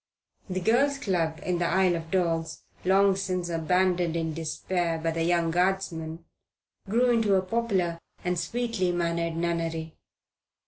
The Girls' Club in the Isle of Dogs, long since abandoned in despair by the young Guardsman, grew into a popular and sweetly mannered nunnery.